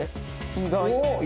意外！